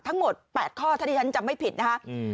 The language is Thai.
ทั้งหมด๘ข้อถ้าที่ฉันจำไม่ผิดนะคะ